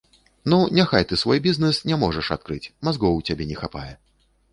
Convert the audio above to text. Ну, няхай ты свой бізнэс не можаш адкрыць, мазгоў у цябе не хапае.